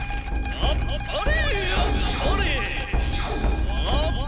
あっぱれ！